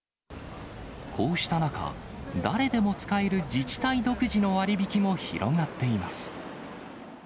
こうした中、誰でも使える自治体独自の割引も広がっています。